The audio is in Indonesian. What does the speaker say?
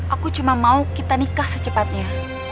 aku cuma mau kita nikah secepatnya